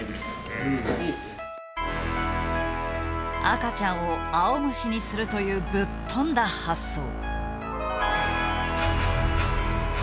赤ちゃんをアオムシにするというぶっ飛んだ発想。